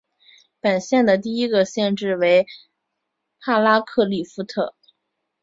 本县的第一个县治为帕拉克利夫特。